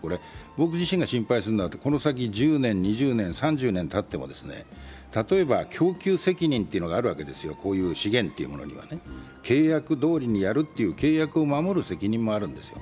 僕自身が心配するのは、この先、１０年、２０年、３０年たっても例えば供給責任というのがあるわけですよ、こういう資源というのは契約どおりにやるという契約を守る責任もあるんですよ。